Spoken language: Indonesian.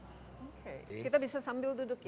oke kita bisa sambil duduk ya